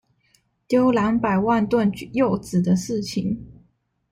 丟兩百萬噸柚子的事情